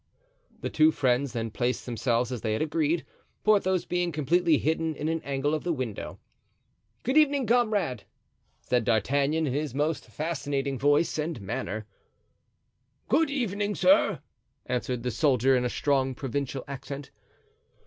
The two friends then placed themselves as they had agreed, Porthos being completely hidden in an angle of the window. "Good evening, comrade," said D'Artagnan in his most fascinating voice and manner. "Good evening, sir," answered the soldier, in a strong provincial accent.